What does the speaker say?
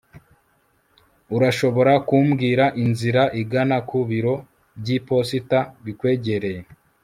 urashobora kumbwira inzira igana ku biro by'iposita bikwegereye